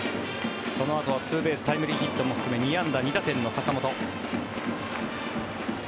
そのあとはツーベースタイムリーヒットも含め２安打２打点の坂本。